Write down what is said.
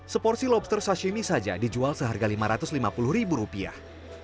seporsi lobster sashimi saja dijual seharga lima ratus lima puluh ribu rupiah